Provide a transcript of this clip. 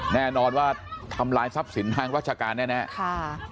แน่นอนว่าทำลายทรัพย์สินทางราชการแน่ค่ะ